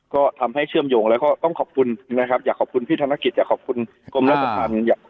ก็ทำให้เชื่อมโยงแล้วก็ต้องขอบคุณนะครับอยากขอบคุณพี่ธนกิจอยากขอบคุณกรมราชธรรม